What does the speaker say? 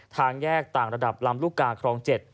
ทางแยกต่างระดับลำลูกกาครอง๗